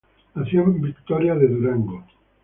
Nació en Victoria de Durango.